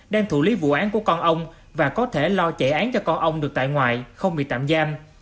đang thủ lý vụ án của con ông và có thể lo chạy án cho con ông được tại ngoại không bị tạm giam